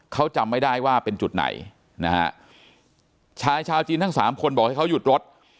เขาจำไม่ได้ว่าเป็นจุดไหนนะฮะชายชาวจีนทั้งสามคนบอกให้เขาหยุดรถ